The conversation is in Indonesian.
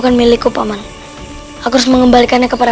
dari suara gesekan angin